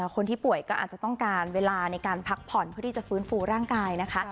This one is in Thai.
คนที่ป่วยก็อาจจะต้องการเวลาในการพักผ่อนเพื่อที่จะฟื้นฟูร่างกายนะคะ